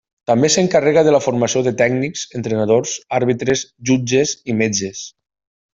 També s'encarrega de la formació de tècnics, entrenadors, àrbitres, jutges i metges.